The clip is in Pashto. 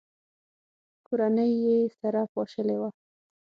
کورنۍ یې سره پاشلې وه.